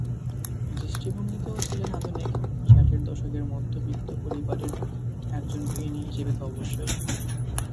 দৃষ্টিভঙ্গিতেও ছিলেন আধুনিক, ষাটের দশকের মধ্যবিত্ত পরিবারের একজন গৃহিণী হিসেবে তো অবশ্যই।